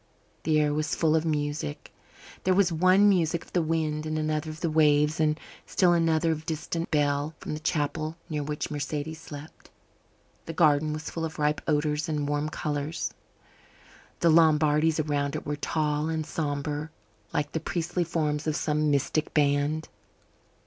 The air was full of music; there was one music of the wind and another of the waves, and still another of the distant bell from the chapel near which Mercedes slept. The garden was full of ripe odours and warm colours. The Lombardies around it were tall and sombre like the priestly forms of some mystic band.